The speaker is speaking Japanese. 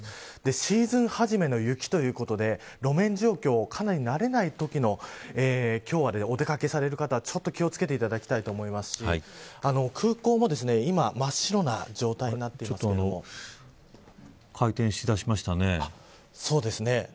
シーズン初めの雪ということで路面状況はかなり慣れないときのお出掛けされる方は今日は、お気を付けていただきたいと思いますし空港も今ちょっと回転しだしましたね。